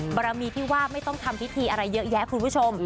บารมีที่ว่าไม่ต้องทำพิธีอะไรเยอะแยะคุณผู้ชม